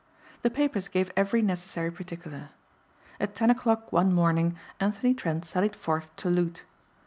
The papers gave every necessary particular. At ten o'clock one morning Anthony Trent sallied forth to loot.